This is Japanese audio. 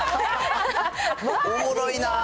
おもろいなー。